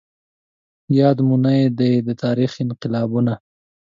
ياد مو نه دي د تاريخ انقلابونه